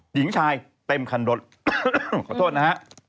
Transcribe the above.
หญิงชายเต็มคันรถขอโทษนะฮะ